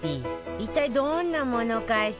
一体どんなものかしら？